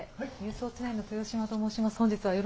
ウオッチ９の豊島と申します。